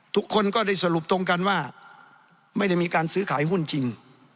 ทุกคนก็ได้สรุปตรงกันว่าไม่ได้มีการซื้อขายหุ้นจริง